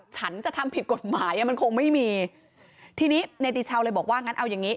ฉันจะทำผิดกฎหมายอ่ะมันคงไม่มีทีนี้เนติชาวเลยบอกว่างั้นเอาอย่างงี้